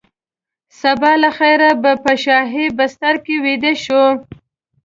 سبا له خیره به په شاهي بستره کې ویده شو.